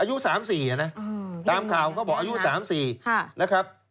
อายุ๓๔อย่างนี้ตามข่าวเขาบอกอายุ๓๔นะครับอืม